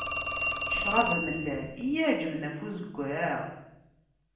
Ccrab amellal i y-iεeǧben ɣef uzeggaɣ.